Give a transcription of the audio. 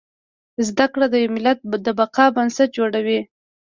زده کړه د يو ملت د بقا بنسټ جوړوي